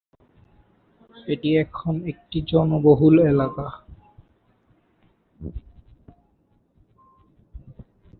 এটি এখন একটি জনবহুল এলাকা।